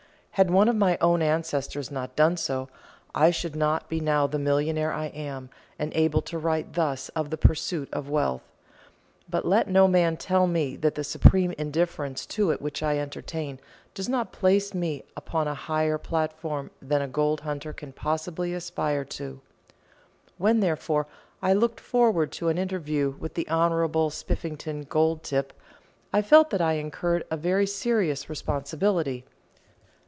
Had one of my own ancestors not done so, I should not now be the millionaire I am, and able to write thus of the pursuit of wealth. But let no man tell me that the supreme indifference to it which I entertain, does not place me upon a higher platform than a gold hunter can possibly aspire to. When, therefore, I looked forward to an interview with the Honourable Spiffington Goldtip, I felt that I incurred a very serious responsibility.